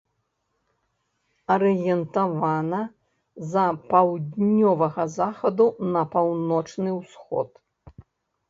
Арыентавана за паўднёвага захаду на паўночны усход.